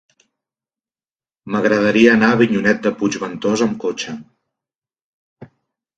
M'agradaria anar a Avinyonet de Puigventós amb cotxe.